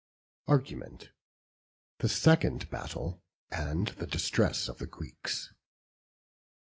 ARGUMENT. THE SECOND BATTLE, AND THE DISTRESS OF THE GREEKS.